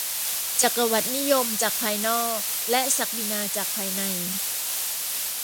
จักรวรรดินิยมจากภายนอกและศักดินาจากภายใน